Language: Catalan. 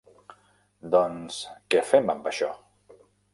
Doncs, què fem amb això?